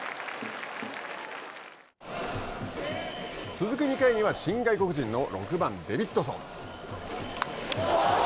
続く２回には、新外国人の６番デビッドソン。